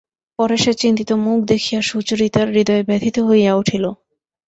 পরেশের চিন্তিত মুখ দেখিয়া সুচরিতার হৃদয় ব্যথিত হইয়া উঠিল।